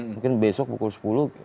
mungkin besok pukul sepuluh